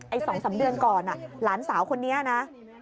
ไอ้สองสามเดือนก่อนหลานสาวคนนี้นะ